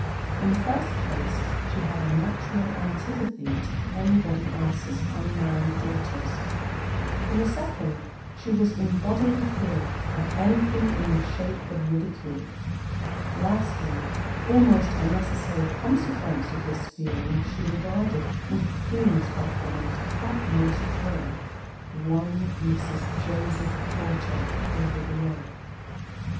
In the first place, she had a natural antipathy to anybody else's un married daughters ; in the second, she was in bodily fear of anything in the shape of ridicule ; lastly almost a necessary consequence of this feeling she regarded, with feelings of the utmost horror, one Mrs. Joseph Porter over the way.